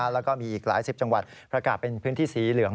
แล้วก็มีอีกหลายสิบจังหวัดประกาศเป็นพื้นที่สีเหลือง